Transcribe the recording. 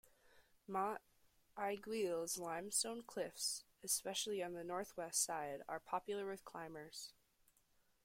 Mont Aiguille's limestone cliffs, especially on the northwest side, are popular with climbers.